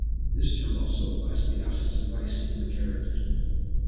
This term also applies to the absence of vice in human character.